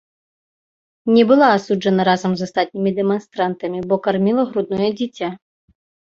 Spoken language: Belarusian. Не была асуджана разам з астатнімі дэманстрантамі, бо карміла грудное дзіця.